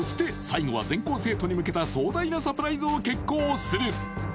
最後は全校生徒に向けた壮大なサプライズを決行する！